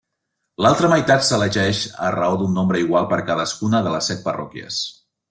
L'altra meitat s'elegeix a raó d'un nombre igual per cadascuna de les set parròquies.